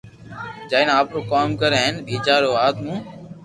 جائين آپرو ڪوم ڪر ھين ٻيجا رو وات مون